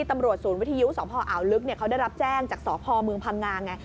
ศูนย์วิทยุสพอ่าวลึกเขาได้รับแจ้งจากสพเมืองพังงาไง